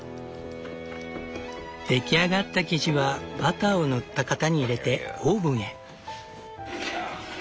出来上がった生地はバターを塗った型に入れてオーブンへ。